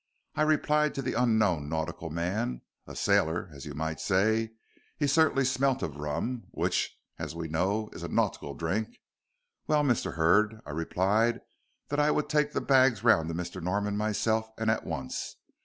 I replied to the unknown nautical man a sailor as you might say; he certainly smelt of rum, which, as we know, is a nautical drink well, Mr. Hurd, I replied that I would take the bags round to Mr. Norman myself and at once.